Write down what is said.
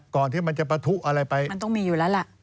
ที่มันจะปะทุอะไรไปมันต้องมีอยู่แล้วแหละ